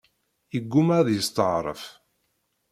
Yegguma ad yesteɛref.